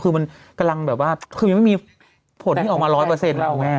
คือมันกำลังไม่มีผลที่ออกมาสองกว่าแน่